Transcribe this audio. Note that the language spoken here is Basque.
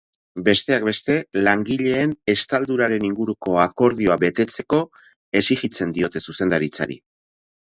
Besteak beste, langileen estalduraren inguruko akordioa betetzeko exijitzen diote zuzendaritzari.